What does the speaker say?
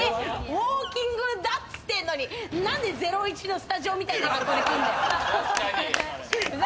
ウオーキングだっつってんのに、なんで『ゼロイチ』のスタジオみたいな格好でくんだよ。